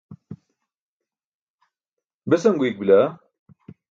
besan guyik bila